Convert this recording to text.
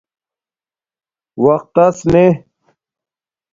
وقت تس نے